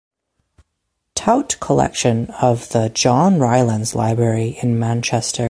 Tout Collection of the John Rylands Library in Manchester.